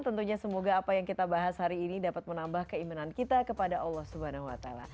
tentunya semoga apa yang kita bahas hari ini dapat menambah keimanan kita kepada allah swt